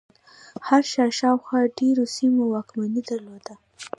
هر ښار شاوخوا ډېرو سیمو واکمني درلوده.